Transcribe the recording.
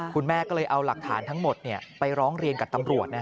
คุณแม่ก็เลยเอาหลักฐานทั้งหมดไปร้องเรียนกับตำรวจ